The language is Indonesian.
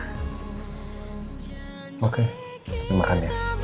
seandainya dari dulu nino bisa bersikap seperti itu ke elsa